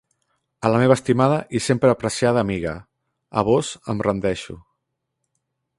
A la meva estimada i sempre apreciada amiga, a vós em rendeixo.